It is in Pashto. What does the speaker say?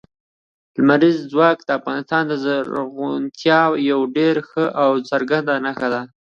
لمریز ځواک د افغانستان د زرغونتیا یوه ډېره ښه او څرګنده نښه ده.